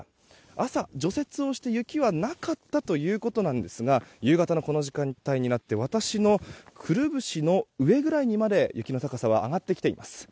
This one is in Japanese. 朝、除雪をして雪はなかったということなんですが夕方のこの時間帯になって私のくるぶしの上くらいまで雪の高さは上がってきています。